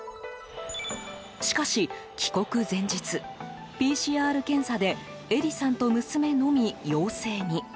しかし帰国前日、ＰＣＲ検査でえりさんと娘のみ陽性に。